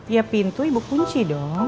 ya pintu ibu kunci